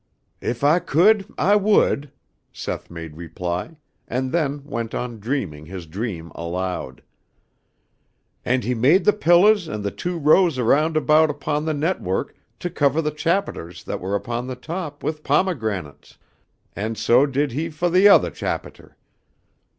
"If I could, I would," Seth made reply, and then went on dreaming his dream aloud. "And he made the pillahs and the two rows around about upon the network, to covah the chapiters that were upon the top, with pomegranates; and so did he fo' the othah chapiter.